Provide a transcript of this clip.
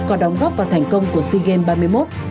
có đóng góp vào thành công của sea games ba mươi một